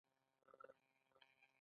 یو سل او یو شپیتمه پوښتنه متحدالمال ده.